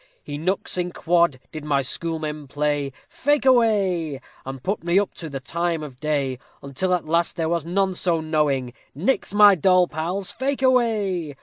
_ The knucks in quod did my schoolmen play, Fake away, And put me up to the time of day; Until at last there was none so knowing, _Nix my doll pals, fake away.